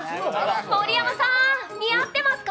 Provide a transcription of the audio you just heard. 盛山さーん、似合ってますか？